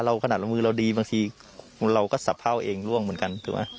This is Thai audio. เราขนาดมือเราดีบางทีเราก็สับเผ่าเองร่วงเหมือนกัน